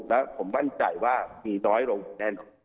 และผมมั่นใจว่ามีน้อยลงแน่นอน